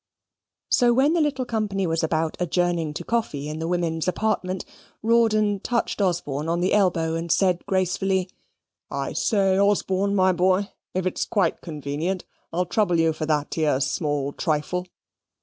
So when the little company was about adjourning to coffee in the women's apartment, Rawdon touched Osborne on the elbow, and said gracefully, "I say, Osborne, my boy, if quite convenient, I'll trouble you for that 'ere small trifle."